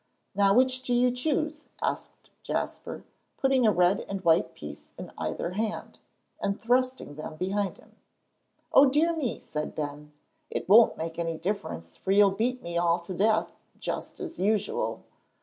"Now which do you choose?" asked Jasper, putting a red and a white piece in either hand, and thrusting them behind him. "O dear me!" said Ben. "It won't make any difference, for you'll beat me all to death, just as usual."